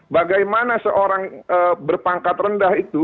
bagaimana seorang berpangkat rendah itu